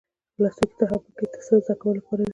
لوستونکو ته هم پکې څه د زده کولو لپاره وي.